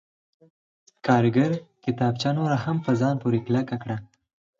کارګر کتابچه نوره هم په ځان پورې کلکه کړه